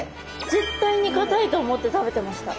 絶対にかたいと思って食べてました。